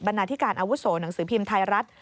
นาธิการอาวุโสหนังสือพิมพ์ไทยรัฐ